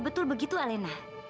betul begitu alena